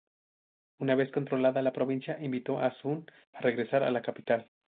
Una vez controlada la provincia, invitó a Sun a regresar a la capital.